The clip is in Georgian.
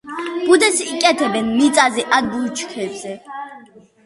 ბუდეს იკეთებენ მიწაზე ან ბუჩქებზე.